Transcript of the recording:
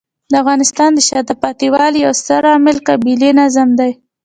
د افغانستان د شاته پاتې والي یو ستر عامل قبیلې نظام دی.